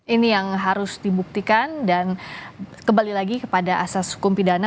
ini yang harus dibuktikan dan kembali lagi kepada asas hukum pidana